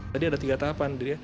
jadi ada tiga tahapan